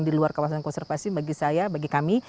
di luar kawasan konservasi bagi saya bagi kami